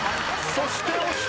そして押した！